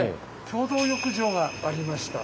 共同浴場がありました。